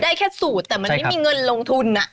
แค่สูตรแต่มันไม่มีเงินลงทุน